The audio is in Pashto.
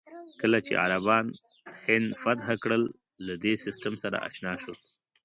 کله چې عربان هند فتح کړل، له دې سیستم سره اشنا شول.